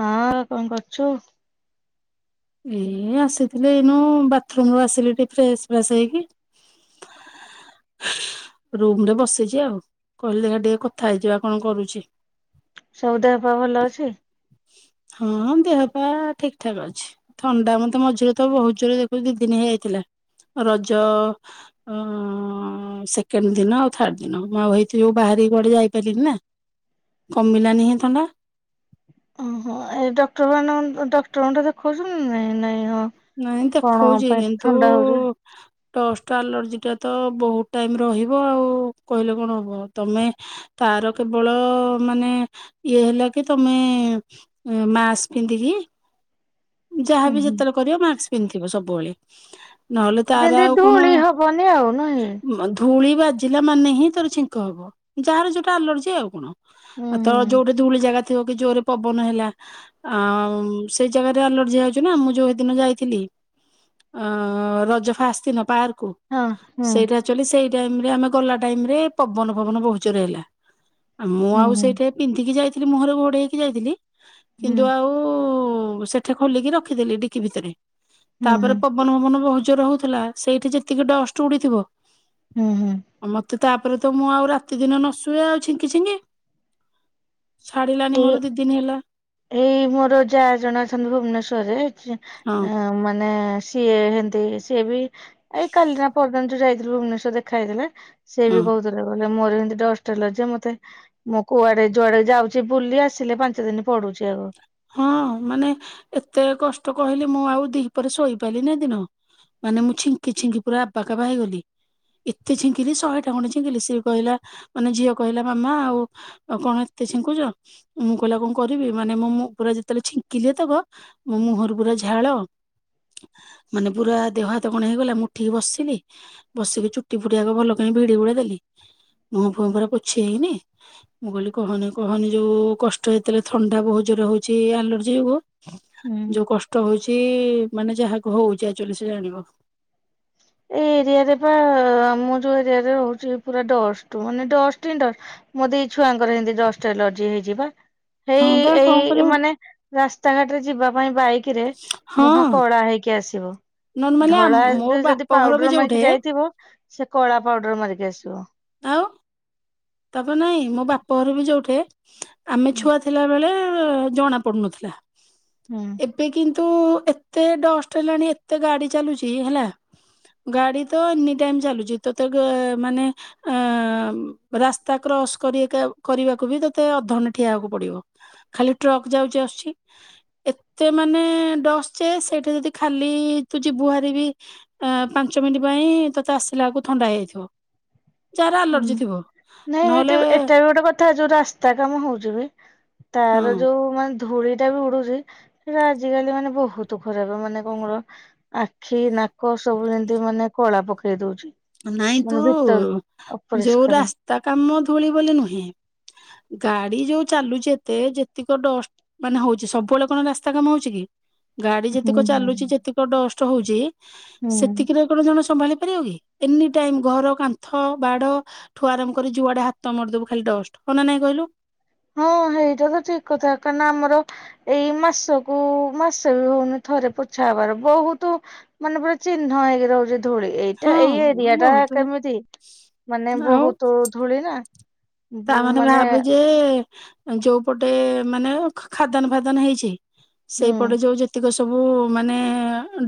ହଁ କଣ କରୁଛୁ? ଏ ଆସିଥିଲି ଏଇନୁ ବାଥରୁମରୁ ଆସିଲି ଟିକେ ଫ୍ରେସ ଫ୍ରାସ ହେଇକି [inaudible] ରୁମରେ ବସିଛି ଆଉ, କହିଲି ଦେଖିଆ ଟିକେ କଥା ହେଇଯିବା କଣ କରୁଛି। ସବୁ ଦେହପା ଭଲ ଅଛି। ହଁ ଦେହପା ଠିକ ଠାକ ଅଛି। ଥଣ୍ଡା ମତେ ମଝିରେ ତ ବହୁତ ଜୋରରେ ଦେଖୁ ଦି ଦିନ ହେଇଯାଇଥିଲା। ରଜ ଅ ସେକେଣ୍ଡ ଦିନ ଆଉ ଥାର୍ଡ ଦିନ ଆଉ ହେଇଥି ଯଗୁ ବାହାରିକି କୁଆଡେ ଯାଇପାରିନି ନା। କମିଲାନିଁ ସେ ଥଣ୍ଡା। ଓହୋ, ଏ ଡକ୍ଟର ମାନ ଡକ୍ଟର ଠିଁ ଦେଖଉଚୁ ନାଇଁ ନାଇଁ ହଁ। ନାଇଁ କଣ ପାଇଁ ଏତେ ଥଣ୍ଡା ହଉଛି? ଡ଼ଷ୍ଟ ଆଲର୍ଜିଟା ତ ବହୁତ ଟାଇମ ରହିବ ଆଉ କହିଲେ କଣ ହେବ। ତୁମେ ତାର କେବଳ ମାନେ ଇଏ ହେଲା କି ତମେ ମାସ୍କ ପିନ୍ଧିକି ହୁଁ ଯାହାବି ହୁଁ ଯେତେବେଳେ କରିବ ମାକ୍ସ ପିନ୍ଧିଥିବ ସବୁବେଳେ। ନହେଲେ ତାର ଯେମିତି ଆଉ କଣ। ଧୂଳି ହବନି ଆଉ ନୁହେଁ। ଧୂଳି ବାଜିଲା ମାନେ ହିଁ ତୋର ଛିଙ୍କ ହବ ଯାହାର ଯୋଉଟା ଆଲର୍ଜି ଆଉ କଣ ହୁଁ ଆଉ ତ ହୁଁ ଯୋଉଟା ଦୁଳି ଜାଗା ଥିବ କି ଜୋରେ ପବନ ହେଲା ଆଉ ସେଇ ଜାଗା ଆଲର୍ଜି ହଉଛି ନା ମୁଁ ଯୋଉ ଦିନ ଯାଇଥିଲି ରଜ ଫାଷ୍ଟ ଦିନ ପାର୍କକୁ। ହଁ ହଁ। ଆକଚୁଆଲି ସେଇ ଟାଇମରେ ଆମେ ଗଲା ଟାଇମରେ ପବନ ଫବନ ବହୁତଜୋରେ ହେଲା। ମୁଁ ଆଉ ହୁଁ ସେଇଠେ ପିନ୍ଧିକି ଯାଇଥିଲି ମୁହଁରେ ଘୋଡେଇକି ଯାଇଥିଲି। ହୁଁ କିନ୍ତୁ ଆଉ ଠିଁ ଖୋଲିକି ରଖିଦେଲି ଡିକି ଭିତରେ ହୁଁ ତାପରେ ହୁଁ ପବନ ଭବନ ବହୁଜୋରେ ହଉଥିଲା ସେଇଠି ଯେତିକି ଡଷ୍ଟ ଉଡିଥିବ ହୁଁ ହୁଁ। ଆଉ ମତେ ତାପରେ ତ ମୁଁ ଆଉ ରାତି ଦିନ ନ ଶୁଏ ଆଉ ଛିଙ୍କି ଛିଙ୍କି। ଛାଡିଲାାନି ଏଇ ମୋର ଦି ଦିନି ହେଲା। ଏଇ ମୋର ଯାଆ ଜଣେ ଅଛନ୍ତି ଭୁବନେଶ୍ଵରରେ ହଁ ମାନେ ସିଏ ହେମତି ସିଏ ବି ଏଇ କାଲିନା ପଦିନ ଯୋଉ ଯାଇଥିଲ ଭୁବନେଶ୍ଵର ଦେଖା ହେଇଥିଲା। ସେ ହଁ ବି କହୁଥିଲେ ଗଲେ ମୋର ଏମିତି ଡଷ୍ଟ ହେଲ ଯେ ମତେ ମୋ କୁଆଡେ ଯୁଆଡେ ଯାଉ ସେ ବୁଲି ଆସିଲେ ପାଞ୍ଚ ଦିନ ପଡୁଛି ଆଗ। ହଁ ମାନେ ଏତେ କଷ୍ଟ କହିଲେ ମୁଁ ଆଉ ଦି ପରେ ଶୋଇ ପାରିଲିିନି ହେ ଦିନ। ମାନେ ମୁଁ ଛିଙ୍କି ଛିଙ୍କି ପୁରା ଆବା କାବା ହେଇଗଲି। ଏତେ ଛିଙ୍କିଲି ଶହେ ଟା ଖଣ୍ଡେ ଛିଙ୍କିଲି ସେ କହିଲା ମାନେ ଝିଅ କହିଲା ମାମା ଆଉ ଆଉ କଣ ଏତେ ଛିଙ୍କୁଛ ମୁଁ କହିଲା ଆଉ କଣ କରିବି ମାନେ ମୁଁ ପୁରା ଯେତେବେଳେ ଛିଙ୍କିଲେ ଯେତକ ମୋ ମୁହଁରୁ ପୁରା ଝାଳ। ମାନେ ପୁରା ଦେହ ହାତ କଣ ହେଇଗଲା ମୁଁ ଉଠିକି ବସିଲି। ବସିକି ଚୁଟି ଫୁଟି ଆଗ ଭଲ କ ଭିଡି ଭିଡ ଦେଲି ମୁହଁ ଫୁହଁ ପୁରା ପୋଛି ହେଇନି ମୁଁ କହିଲି କହନି କହନି ଯୋଉ କଷ୍ଟ ହେଇ ଥଣ୍ଡା ବହୁତ ଜୋରେ ହଉ ଚି ଆଲର୍ଜି ଯୋଗୁଁ ହୁଁ। ଯୋଉ କ ଷ୍ଟ ହଉଛି ମାନେ ଯାହାକୁ ହଉଛି ଆକଚୁଆଲି ସେ ଜାଣିବ। ଏଇ ଏରିଆ ରେ ବା ଆମ ଯୋଉ ଏରିଆରେ ରହୁଛି ପୁରା ଡଷ୍ଟ ମାନେ ଡ଼ଷ୍ଟ ହି ଡ଼ଷ୍ଟ। ମୋତେ ଏଇ ଛୁଆଙ୍କର ଏମତି ଡ଼ଷ୍ଟ ଏଲର୍ଜି ହେଇଚି ପା ହଁ ହେଇ ବା କଣ ଏଇ କରିବ ମାନେ ରାସ୍ତାଘାଟରେ ଯିବା ପାଇଁ ବାଇକରେ ହଁ ମୁହଁ କଳା ହେଇକି କି ଆସିବ ନର୍ମାଲି ଆମ ମୋ ଧଳାରେ ବାପ ଯଦି ଘର ବି ପାଉଡର ଯୋଉଠେ ମରିକି ଯାଇ ଥିବ ସେ କଳା ପାଉଡର ମାରିକି ଆସିବ। ଆଉ ତାପରେ ନାଇଁ ମୋ ବାପ ଘର ବି ଯୋଉଠେ ଆମେ ହୁଁ ଛୁଆ ଥିଲା ବେଳେ ଜଣା ପଡ଼ୁନଥିଲା। ହୁଁ। ଏବେ କିନ୍ତୁ ଏତେ ଡଷ୍ଟ ହେଲାଣି ଏତେ ଗାଡି ଚାଲୁଛି ହେଲା। ଗାଡି ତ ଏନି ଟାଇମ ଚାଲୁଛି ତ ତ ମାନେ ଅ ରାସ୍ତା କ୍ରସ୍ କରି ଏକା କରିବାକୁ ବି ତତେ ଅଧେ ଘଣ୍ଟେ ଠିଆ ହେବାକୁ ପଡିବ। ଖାଲି ଟ୍ରକ୍ ଯାଉଛି ଆସୁଛି। ଏତେ ମାନେ ଡଷ୍ଟ ଯେ ସେଇଠି ଯଦି ଖାଲି ତୁ ଯିବୁହାରି ବି ଏ ପାଞ୍ଚ ମିନିଟ ପାଇଁ ତୋତେ ଆସିଲା ବେଳକୁ ଥଣ୍ଡା ହେଇଯାଇଥିବ ଯାହାର ଆଲର୍ଜି ହୁଁ ଥିବ। ନାଇଁ ନହେଲେ ଏଇଟା ଏଇଟା ବି ଗୋଟେ କଥା ଯୋଉ ରାସ୍ତା କାମ ହଉଛି ବି ହଁ ତାର ଯୋଉ ମାନେ ଧୂଳି ଟା ବି ଉଡୁଛି ସେଟା ଆଜିକାଲି ମାନେ ବହୁତ ଖରାପ ମାନେ କଣର ଆଖି ନାକ ସବୁ ଯେମତି ମାନେ କଳା ପକେଇ ଦଉଛି। ନାଇଁ ତୁ ମାନେ ଭିତର ଯୋଉ ଅପରିଷ୍କାର ରାସ୍ତା କାମ ଧୂଳି ବୋଲି ନୁହେଁ। ଗାଡି ଯୋଉ ଚାଲୁଛି ଏତେ ଯେତିକ ଡଷ୍ଟ୍ ମାନେ ହଉଛି ସବୁବେଳେ କଣ ରାସ୍ତା କାମ ହଉଛି କି? ଗାଡି ହୁଁ ଯେତିକ ହୁଁ ଚାଲୁଛି ଯେତିକ ଡଷ୍ଟ ହଉଛି ହୁଁ। ସେତିକିରେ ଘର ଜଣେ ସମ୍ଭାଳି ପାରିବ କି ଏନି ଟାଇମ୍ ଘର କାନ୍ଥ ବାଡ଼ ଠୁ ଆରମ୍ କରି ଯୁଆଡେ ହାତ ମାରଦବୁ ଖାଲି ଡଷ୍ଟ୍ ହଁ ନା ନାଇଁ କହିଲୁ? ହଁ ହେଇଟା ତ ଠିକ୍ କଥା କାଇଁ ନା ଆମର ଏଇ ମାସକୁ ମାସେ ବି ହଉନି ଥରେ ପୋଛା ହବାର ବହୁତୁ ମାନେ ପୁରା ଚିହ୍ନ ହେଇକି ରହୁଛି ଧୂଳି ଏଇଟା ହଁ ଏଇ ଏରିଆ ଟା ବହୁତ କେମିତି ମାନେ ଆଉ ବହୁତ ଧୂଳି ନା। ତାମାନେ ମାନେ ଭାବେ ଯେ ଯୋଉ ପଟେ ମାନେ ଖାଦାନ ଫାଦନ ହେଇଛି। ହୁଁ ସେଇପଟେ ଯୋଉ ଯେତିକ ସବୁ ମାନେ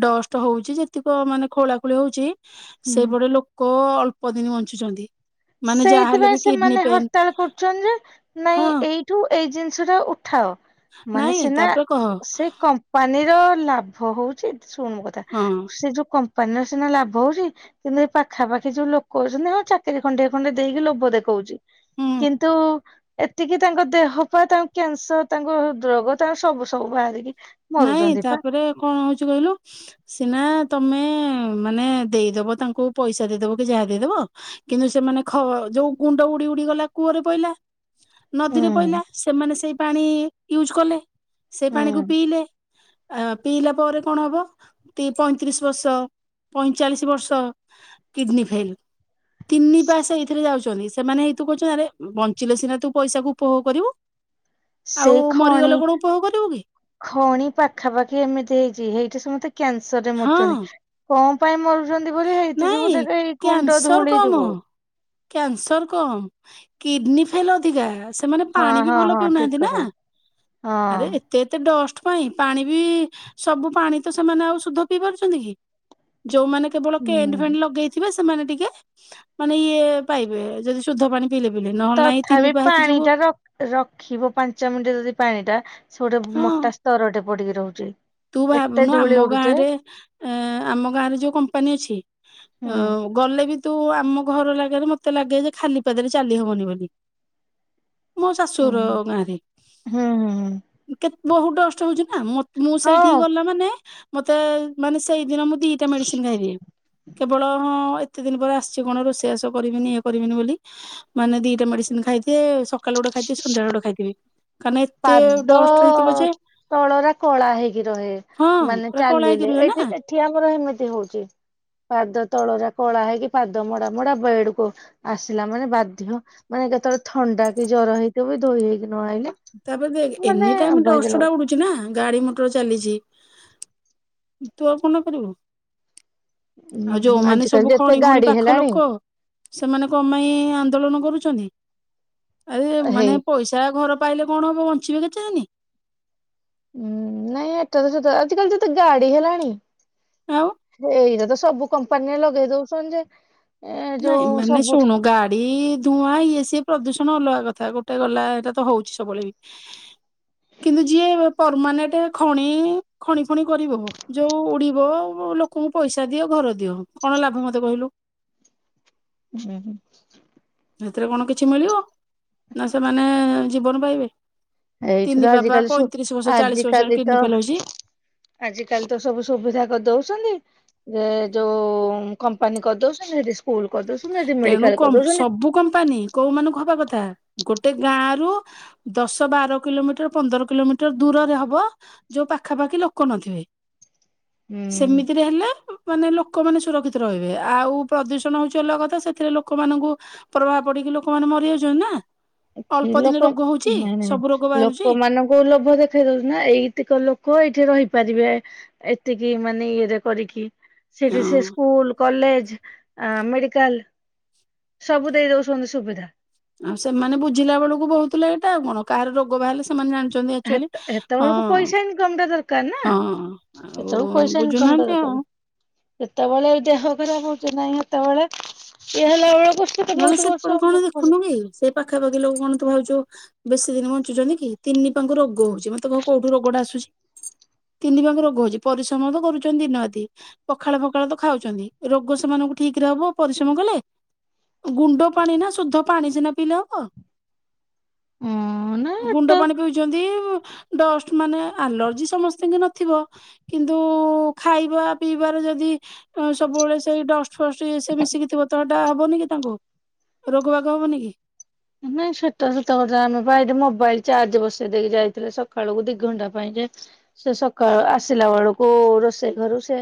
ଡଷ୍ଟ ହଉଛି ଯେତିକ ମାନେ ଖୋଳାଖୋଳି ହଉଛି ହୁଁ। ସେଇପଟେ ଲୋକ ଅଳ୍ପ ଦିନ ବଞ୍ଚୁଛନ୍ତି। ମାନେ ଯାହାହେଲେ ସେଇଥିପାଇଁ ବି କିଡନୀ ସେମାନେ ପେନ୍ ହରତାଳ କରୁଛନ୍ତି ଯେ ହଁ ନାଇଁ ଏଇଠୁ ଏଇ ଜିନିଷଟା ଉଠାଅ। ମାନେ ନାଇଁ ସିନା ତାପରେ କହ ସେ କମ୍ ପାନିର ଲାଭ ହଉଛି ଏ ଶୁଣୁ ମୋ କଥା ହଁ ସେ ଯୋଉ କମ୍ ପାନୀର ସିନା ଲାଭ ହଉଛି କିନ୍ତୁ ଏ ପାଖାପାଖି ଯୋଉ ଲୋକ ଅଛନ୍ତି ହଁ ଚାକିରି ଖଣ୍ଡେ-ଖଣ୍ଡେ ଦେଇକି ଲୋଭ ଦେଖଉଛି ହୁଁ କିନ୍ତୁ ଏତିକି ତାଙ୍କ ଦେହପା ତାଙ୍କୁ କ୍ୟାନସର୍ ତାଙ୍କୁ ରୋଗ ତାଙ୍କୁ ସବୁ-ସବୁ ବାହାରିକି ନାଇଁ ମରୁଛନ୍ତି ପା ତାପରେ କଣ ହଉଚି କହିଲୁ? ସିନା ତମେ ମାନେ ଦେଇଦବ ତାଙ୍କୁ ପଇସା ଦେଇଦବ କିଯାହା ଦେଇଦବ କିନ୍ତୁ ସେମାନେ ଖ ଯୋଉ ଗୁଣ୍ଡ ଉଡ଼ି ଉଡ଼ି ଗଲା କୂଅରେ ପଇଲା। ନଦୀରେ ପଇଲା ହୁଁ ସେମାନେ ସେଇ ପାଣି ୟୁଜ୍ କଲେ ସେଇ ପାଣିକୁ ହୁଁ ପିଲେ ଅଁ ପିଇଲା ପରେ କଣ ହବ? ପଇଁତିରିଶ ବର୍ଷ ପଇଁଚାଳିଶ ବର୍ଷ କିଡ଼ିନ୍ ଫେଲ୍। ତିନି ପାସ ଏଇଥିରେ ଯାଉଚନ୍ତି ସେମାନେ ହେଇତୁ କହୁଛନ୍ତି ଆରେ ବଞ୍ଚିଲେ ସିନାତୁ ପଇସାକୁ ଉପଭୋଗ କରିବୁ। ଆଉ ମରିଗଲେ କଣ ଉପଭୋଗ କରିବୁକି? ଖୋଣି ପାଖାପାଖି ଏମିତି ହେଇଚି ହେଇଠି ସମସ୍ତେ କ୍ୟାନ୍ସରରେ ହଁ ମରିଚନ୍ତି। କଣ ପାଇଁ ମରୁଚନ୍ତି ବୋଲି ହେଇଥି ଯୋଗୁ ନାଇଁ ଦେଖ ଏଇ କୁଣ୍ଡ ଧୂଳି ଯୋଗୁ। କ୍ୟାନସର୍ କଣ କିଡ଼ିନୀ ଫେଲ୍ ଅଧିକା। ସେମାନେ ହଁ ପାଣିବି ହଁ ଭଲ ହଁ ଠିକ ପିଉନାହାନ୍ତିନା କଥା ହଁ ଆରେ ଏତେ ଡଷ୍ଟ ପାଇଁ ପାଣିବି ସବୁ ପାଣିତ ସେମାନେ ଆଉ ସୁଧ ପିଇ ପାରୁଚନ୍ତିକି? ଯୋଉମାନେ କେବ କେଣ୍ଟ ହୁଁ। ଫେଣ୍ଟ ଲଗେଇଥିବେ ସେମାନେ ଟିକେ ମାନେ ଇଏ ପାଇବେ ଯଦି ଶୁଦ୍ଧ ପାଣି ପିଇଲେ-ପିଇଲେ ନହେଲେ ନାଇଁ ତିନି ତଥାପି ପାହେଇଛି ପାଣି ଯୋଗୁ ଟା ର ରଖିବ ପାଞ୍ଚ ମିନିଟ୍ ଯଦି ପାଣିଟା ସେଗୋଟେ ମୋଟା ସ୍ତରଟେ ପଡ଼ିକି ରହୁଚି। ତୁଭାବୁନୁ ଆମ ଗାଁରେ ଅଁ ଆମ ଗାଁରେ ଯୋଉ କମ୍ପାନୀ ଅଛି ହୁଁ। ଅଁ। ଗଲେବି ତୁ ଆମ ଘର ଲାଗେଲେ ମତେ ଲାଗେଯେ ଖାଲି ପାଦରେ ଚାଲିହବନି ବୋଲି। ମୋଶାଶୁ ହୁଁ ଘର ଗାଁରେ ହୁଁ ହୁଁ କେ ବହୁତ୍ ଡଷ୍ଟ ହଉଚିନା ମ ମୁଁ ସେଇଠିକି ହଁ ଗଲା ମାନେ ମତେ ମାନେ ସେଇଦିନ ମୁଁ ଦିଟା ମେଡିସିନ୍ ଖାଇଦିଏ କେବଳ ଅଁ ଏତ୍ ଏତେ ଦିନ ପରେ ଆସିଚି କଣ ରୋଷେଇ ବାସ କରିବିନି ଇଏ କରିବିନି ବୋଲି। ମାନେ ଦିଟା ମେଡିସିନ୍ ଖାଇଦିଏ ସକାଳେ ଗୋଟେ ଖାଇଥିବି ସନ୍ଧ୍ୟାବେଳେ ଗୋଟେ ଖାଇଥିବି। କାହିଁନା ଏତେ ଡଷ୍ଟ ହେଇଥିବ ପାଦ ଯେ ତଳରା କଳା ହେଇକି ରହେ ହଁ ମାନେ ପୁରା କଳା ହେଇକି ଚାଲିଲେ ରୁହେ ନା। ଏଠି ଏ ଏଠି ଆମର ହେମିତି ହଉଛି ପାଦ ତଳରା କଳା ହେଇକି ପାଦ ମଡା-ମଡା ବେଡ଼େକୁ ଆସିଲା ମାନେ ବାଧ୍ୟ ମାନେ କେତେବେଳେ ଥଣ୍ଡାକି ଜର ହେଇଥିବବି ଧୋଇ ହେଇକି ନଆଇଲେ ତାପରେ ଦେଖେ ଏନି ଟାଇମ୍ ଡଷ୍ଟଅଡ଼ା ଉୁଡ଼ୁଚି। ନା ଗାଡ଼ି ମଟର ଚାଲିଚି ତୁଆଉ କଣ କରିବୁ ଆଉ ଲାଗୁଛି ଯୋଉଁମାନେ ଆଜିକାଲି ସବୁ ଯେତେ ଖଣି ଘଣୀ ଗାଡି ପାଖ ହେଲାଣି ଲୋକ ସେମାନେ କଣ ପାଇଁ ଆନ୍ଦୋଳନ କରୁଛନ୍ତି ଆରେ ହେଇ ମାନେ ପଇସା ଘର ପାଇଲେ କଣ ହବ ବଞ୍ଚିବେ କେତେଦିନି। ହୁଁ ନାଇଁ ଏଟାତ ସତ ଆଜିିକାଲିତ ଏତେ ଗାଡ଼ି ହେଲାଣି ଆଉ। ସେଇରାତ ସବୁ କମ୍ପାନୀରେ ଲଗେଇ ଦଉଛନ୍ତିଯେ ନାଇଁ ମାନେ ଶୁଣୁ ଗାଡ଼ି ଧୁଆଁ ଇଏ ସିଏ ପ୍ରଦୂଷଣ ଅଲଗା କଥା ଗୋଟେ ଗଲା ଏଇଟାତ ହଉଚି ସବୁବେଳେବି କିନ୍ତୁ ଯିଏ ପରମାନେଣ୍ଟ ଖଣି ଖଣି ଫଣି କରିବ ଯୋଉ ଉଡ଼ିବ ଲୋକଙ୍କୁ ପଇସା ଦିଅ ଘର ଦିଅ, କଣ ଲାଭ ମତେ କହିଲୁ? ହୁଁ ହୁଁ। ସେଥିରେ କଣ କିଛି ମିଳିବ ନା ସେମାନେ ଜୀବନ ପାଇବେ। ତିନି ଏଇଠିତ ବାବା ଆଜିିକାଲି ସୁ ପଇଁତିରିଶ ବର୍ଷ ଚାଳିଶ ବର୍ଷରେ ଆଜିକାଲିତ କିଡନୀ ଫେଲ ହଉଛି ଆଜିକାଲିତ ସବୁ ସୁବିଧା କରି ଦଉଚନ୍ତି। ଏ ଯୋଉ କମ୍ପାନୀ କରିଦଉଛନ୍ତି ସେଠି ସ୍କୁଲ କରିଦଉଛନ୍ତି ସେଠି ତେଣୁ ମେଡିକାଲ୍ କରିଦଉଛନ୍ତି। ସବୁ କମ୍ପାନୀ କୋଉ ମାନଙ୍କୁ ହବା କଥା ଗୋଟେ ଗାଁରୁ ଦଶ ବାର କିଲୋମିଟର୍ ପନ୍ଦର କିଲୋମିଟର୍ ଦୂରରେ ହବ ଯୋଉ ପାଖାପାଖି ଲୋକ ନଥିବେ। ହୁଁ ସେମିତିରେ ହେଲେ ମାନେ ଲୋକମାନେ ସୁରକ୍ଷିତ ରହିବେ ଆଉ ପ୍ରଦୂଷଣ ହଉଚି ଅଲଗା କଥା ସେଥିରେ ଲୋକମାନଙ୍କୁ ପ୍ରଭାବ ପଡିକି ଲୋକମାନେ ମରି ଯାଉଛନ୍ତି ନା। ଏ କି ଅଳ୍ପ ଦିନେ ଲୋକ ରୋଗ ହଉଛି ନାଇଁ ସବୁ ରୋଗ ନାଇଁ ବାହାରୁଛି ଲୋକମାନଙ୍କୁ ଲୋଭ ଦେଖ ଦେଖେଇ ଦଉଛନ୍ତିନା ଏଇତିକ ଲୋକ ଏଇଠେ ରହିପାରିବେ ଏତିକି ମାନେ ଇଏରେ କରିକି ସେଇଠେ ସେ ହଁ ସ୍କୁଲ କଲେଜ ଆଁ ମେଡିକାଲ ସବୁ ଦେଇ ଦଉସନ୍ତି ସୁବିଧା। ଆ ସେମାନେ ବୁଝିଲା ବେଳକୁ ବହୁତ ଲେଟ ଆଉ କଣ କାହାର ରୋଗ ବାହାରିଲେ ସ ସେମାନେ ଜାଣିଛନ୍ତି ଆକ୍ଚୁଆଲି ହେତ ହେତେବେଳକୁ ହଁ ପଇସା ଇନକମ ଟା ଦରକାର ନା ହଁ ଆଉ ସେତେବେଳକୁ ପଇସା ଇନକମ ଟା ବୁଝୁନାହାନ୍ତି ଆଉ ଦରକାର। ଯେତେବେଳେ ଦେହ ଖରାପ ହଉଛି ନାହିଁ ହେତେବେଳେ ଇଏ ହେଲା ବେଳକୁ ସ ନହେଲେ ସେପଟେ କଣ ଦେଖନ୍ତୁ କି ସେ ପାଖାପାଖି ଲୋକ କଣ ତୁ ଭାବୁଛୁ ବେଶୀ ଦିନ ବଞ୍ଚୁଛନ୍ତି କି ତିନି ପାଙ୍କୁ ରୋଗ ହଉଛି ମତେ କହ କୋଉଠୁ ରୋଗଟା ଆସୁଛି ତିନି ପାଙ୍କୁ ରୋଗ ହଉଛି ପରିଶ୍ରମ ତ କରୁଛନ୍ତି ଦିନରାତି ପଖାଳ ଫଖାଳ ତ ଖାଉଛନ୍ତି ରୋଗ ସେମାନଙ୍କୁ ଠିକ ରେ ହେବ ପରିଶ୍ରମ କଲେ? ଗୁଣ୍ଡ ପାଣି ନା ସୁଦ୍ଧ ପାଣି ସିନା ପିଇଲେ ହବ। ହଁ ନା ଗୁଣ୍ଡ ଅଟୋ ପାଣି ପିଉଛନ୍ତି ଡଷ୍ଟ ମାନେ ଆଲର୍ଜି ସମସ୍ତିଙ୍କି ନଥିବ। କିନ୍ତୁ ଖାଇବା ପିଇବାର ଯଦି ସବୁବେଳେ ସେଇ ଡଷ୍ଟ ଫଷ୍ଟ ଇଏ ସିଏ ମିଶିକି ଥିବ ତ ହେଟା ହବନି କି ତାଙ୍କୁ ରୋଗ ବାଗ ହବନି କି ନାଇଁ ସେଟା ସତ କଥା ଆମେ ପା ଏଠି ମୋବାଇଲ ଚାର୍ଜ ରେ ବସେଇ ଦେଇକି ଯାଇଥିଲେ ସକାଳକୁୁ ଦି ଘଣ୍ଟା ପାଇଁ ଯେ ସେ ସକାଳ ଆସିଲା ବେଳକୁ ରୋଷେଇ ଘରୁ ସେ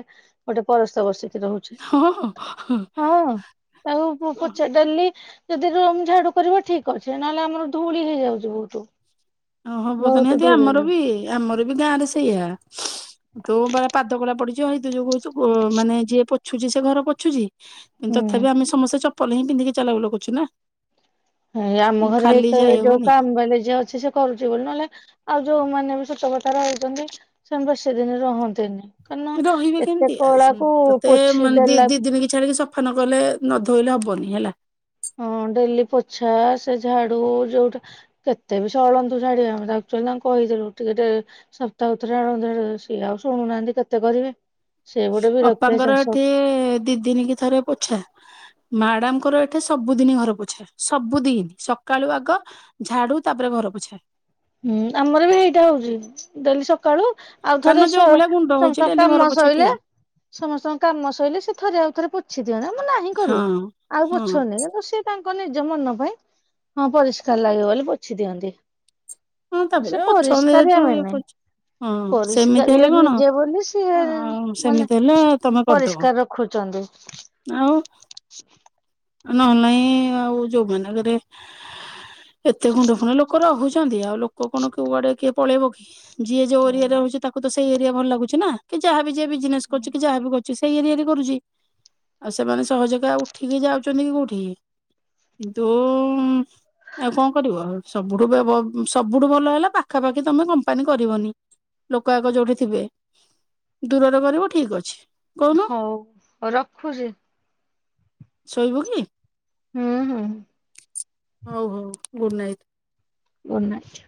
ଗୋଟେ ପରସ୍ତ ବସିକି ରହୁ ହଁ ହଁ ତାକୁ ପ ପୋଛା ଡେଲି ଯଦି ରୁମ ଝାଡୁ କରିବ ଠିକ ଅଛି ନହେଲେ ଆମର ଧୂଳି ହେଇଯାଉଛି ବହୁତୁ। ହଁ ହବ ତ ନିହାତି ଆମର ବି ଏ ଆମର ବି ଗାଁ ରେ ସେଇଆ ତୋ ପରା ପାଦ କଳା ପଡିଯିବ ହେଇଥି ଯୋଗୁ ଓ ମାନେ ଯିଏ ପୋଛୁଛି ସେ ଘର ପୋଛୁଛି କିୁନ୍ତୁ ହୁଁ ତଥାପି ଆମେ ସମସ୍ତେ ଚପ ପଲ ହିଁ ପିନ୍ଧିକି ଚାଲବୁଲ କରୁଛୁ ନା। ଏ ଆମ ଘରେ ଖାଲି ଯାଇ ହେଇକରେ ଯୋଉ ହବନି। କାମ ବାଲି ଜିଏ ଅଛି ସେ କରୁଛି ବୋଲି ନହେଲେ ଆଉ ଯଉମାନେ ବି ସତ କଥା ରହୁଛନ୍ତି ସେମାନେ ବେସିଦିନି ରହନ୍ତିନି। କାରଣ ରହିବେ ଏତେ କେମିତି ଆ ସୁଣ କଳାକୁ ତତେ ପୋଛି ମାନେ ଦି ଦେଲା ଦି ଦିନି କି ଛାଡିକି ସଫ ଫା ନ କଲେ ନଧୋଇଲେ ହବନି ହେଲା ହଁ ଡେଲି ପୋଛା ସେ ଝାଡୁ ଯୋଉଟା କେତେ ବି ସେ ଅଳନ୍ଧୁ ଝାଡିବା। ଆମେ ଆକ୍ଚୁଆଲି ତାଙ୍କୁ କହିଥିଲୁ ଟିକେ ସପ୍ତାହ କୁ ଥରେ ଆଣଝାଡ଼ିବେ ସିଏ ଆଉ ଶୁଣୁନାହାଁନ୍ତି। କେତେ କରିବେ। ସେ ଗୋଟେ ବିରକ୍ତିଆ ଅପାଙ୍କର ଚାଷ ଏଠି ଦି ଦିନ କି ଥରେ ପୋଛା। ମ୍ୟାଡାମଙ୍କର ଏଠେ ସବୁଦିନ ଘର ପୋଛା। ସବୁଦିନ ସକାଳୁ ଆଗ ଝାଡୁ ତାପରେ ଘର ପୋଛା। ହୁଁ ଆମର ବି ହେଇଟା ହଉଛି। ଡେଲି ସକାଳୁ ଆଉ କାନ ଥରେ ସ ଯୋଉ ଭଳିଆ ଗୁଣ୍ଡ ହଉଛି ସବୁ ଡେଲି ଘର କାମ ପୋଛା ସଇଲେ। ଠିକ ସମସ୍ତଙ୍କ କାମ ସଇଲେ ସେ ଥରେ ଆଉ ଥରେ ପୋଛି ଦିଅନ୍ତି। ଆମେ ନାହିଁ କରୁ। ହଁ ଆଉ ହଁ। ପୋଛନି କିନ୍ତୁ ସେ ତାଙ୍କ ନିଜ ମନ ପାଇଁ ହଁ ପରିଷ୍କାର ଲାଗିବ ବୋଲି ପୋଛି ଦିଅନ୍ତି। ହଁ ତାପରେ ସେ ଅଛନ୍ତି ଯେହେତୁ ପରିଷ୍କାରିଆ ଇଏ ମେନେ। କରୁଛି ହଁ ସେମିତି ହେଲେ ପରିଷ୍କାରିଆ କଣ ନିଜେ ବୋଲି ସିଏ ଆଉ ମାନେ ସେମିତି ହେଲେ ତମେ କରିଦବ ପରିଷ୍କାର ରଖୁଛନ୍ତି। [inaudible] ଆଉ ନହେଲେ ନାଇ ଆଉ ଯୋଉମାନଙ୍କରେ ଏତେ ଗୁଣ୍ଡ ଫୁଣ୍ଡ ଲୋକ ରହୁଛନ୍ତି। ଆଉ ଲୋକ କଣ କଉଆଡେ କିଏ ପଳେଇବ କି? ଯିଏ ଯୋଉ ହୁଁ। ଏରିଆରେ ରହୁଛି ତାକୁ ତାକୁ ତ ସେଇ ଏରିଆ ଭଲ ଲାଗୁଛି ନା। କି ଜାହା ବି ଜିଏ ବିଜନେସ କରୁଛି କି ଯାହା ବି କରୁଛି ସେଇ ଏରିଆରେ କରୁଛି। ଆଉ ସେମାନେ ସହଜକେ ଆଉ ଉଠିକି ଯାଉଛନ୍ତି କି କୋଉଠିକି। କିନ୍ତୁ ଆଉ କଣ କରିବ। ସବୁଠୁ ବ ବ ସବୁଠୁ ଭଲ ହେଲା ପାଖାପାଖି ତମେ କମ୍ପାନୀ କରିବନି। ଲୋକ ବାକ ଯୋଉଠେ ଥିବେ। ଦୂରରେ କରିବ ଠିକ୍ ଅଛି। କହୁନ ହୋଉ ହୋଉ ରଖୁଛି। ଶୋଇବୁ କି? ହୁଁ ହୁଁ। ହଉ ହଉ ଗୁଡ଼୍ ନାଇଟ୍। Good night.